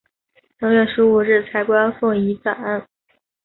正月十五日彩棺奉移暂安。